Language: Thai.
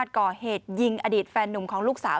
ก่อเหตุยิงอดีตแฟนนุ่มของลูกสาว